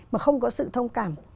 mà không có sự thông cảm